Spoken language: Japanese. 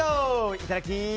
いただき！